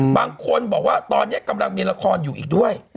บางคนบอกว่าตอนนี้กำลังมีละครอยู่อีกด้วย